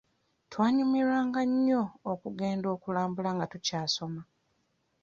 Twanyumirwanga nnyo okugenda okulambula nga tukyasoma